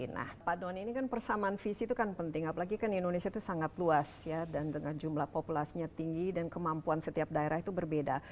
nah pak doni ini kan persamaan visi itu kan penting apalagi kan indonesia itu sangat luas ya dan dengan jumlah populasinya tinggi dan kemampuan setiap daerah itu berbeda